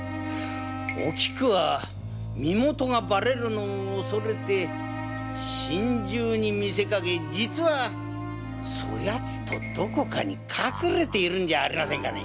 おきくは身もとがバレるのを恐れて心中に見せかけ実はそやつとどこかに隠れているんじゃありませんかね？